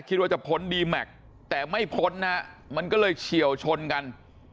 คิดว่าจะพ้นดีแม็กซ์แต่ไม่พ้นนะฮะมันก็เลยเฉียวชนกัน